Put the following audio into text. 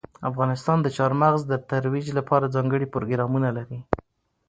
افغانستان د چار مغز د ترویج لپاره ځانګړي پروګرامونه لري.